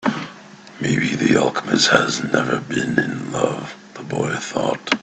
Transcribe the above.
Maybe the alchemist has never been in love, the boy thought.